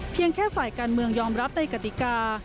แค่ฝ่ายการเมืองยอมรับในกติกา